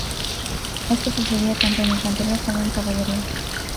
Esto sucedía tanto en infantería como en caballería.